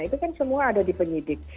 itu kan semua ada di penyidik